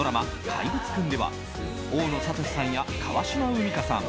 「怪物くん」では大野智さんや川島海荷さん